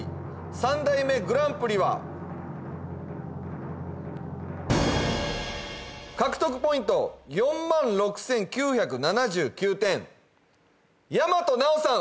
３代目グランプリは獲得ポイント４６９７９点大和奈央さん